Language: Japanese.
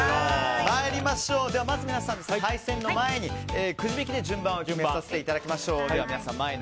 ではまず皆さん、対戦の前にくじ引きで順番を決めさせていただきます。